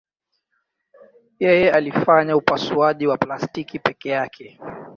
Yeye alifanya upasuaji wa plastiki peke yake.